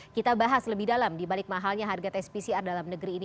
kita bahas lebih dalam dibalik mahalnya harga tes pcr dalam negeri ini